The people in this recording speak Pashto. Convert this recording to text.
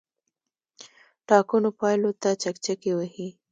ټاکنو پایلو ته چکچکې وهي.